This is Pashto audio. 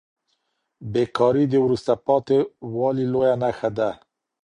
بې کاري د وروسته پاته والي لویه نښه ده.